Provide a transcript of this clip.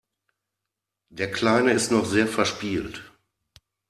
Der Kleine ist noch sehr verspielt.